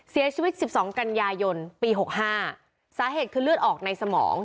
เสียชีวิต๑๒กันยายนปีหกห้าสาเหตุคือเลือดออกในสมอง